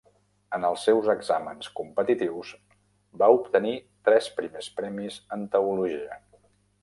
En els seus exàmens competitius, va obtenir tres primers premis en teologia.